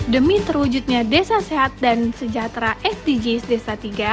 demi terwujudnya desa sehat dan sejahtera sdgs desa tiga